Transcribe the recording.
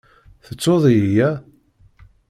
Tettuḍ-iyi ya?